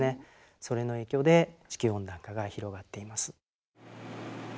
それの影響で地球温暖化が広がっています。